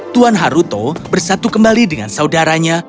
tuan haruto bersatu kembali dengan saudaranya